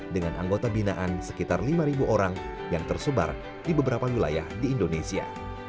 dengan anggota binaan sekitar lima orang yang tersebar di beberapa wilayah di indonesia